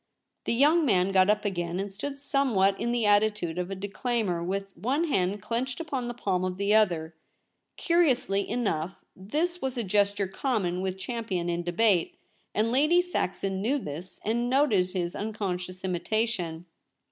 The young man got up again and stood somewhat in the attitude of a declaimer, with one hand clenched upon the palm of the other. Curiously enough, this was a gesture common with Champion in debate, and Lady Saxon knew this and noted his unconscious imitation.